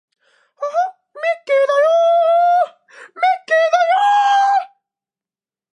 天皇陛下はとても偉い人だ